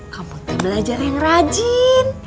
kamu tak belajar yang rajin